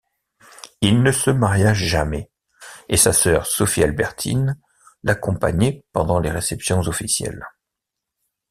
Il ne se maria jamais et sa sœur Sophie-Albertine l'accompagnait pendant les réceptions officielles.